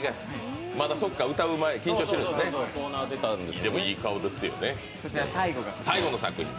そっか、まだ歌う前緊張しているんですね、でもいい顔ですよね。